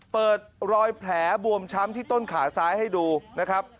เปิดรอยแผลบวมช้ำที่ต้นขาซ้ายให้ดูนะครับ